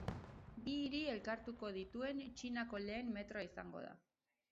Bi hiri elkartuko dituen Txinako lehen metroa izango da.